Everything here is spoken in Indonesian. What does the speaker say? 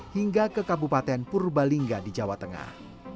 hingga ke kabupaten purbalingga di jawa tengah